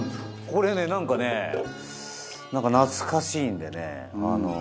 これねなんかねなんか懐かしいんでね